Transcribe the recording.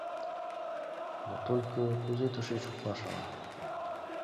Но только кузе тышеч утлаш, ала?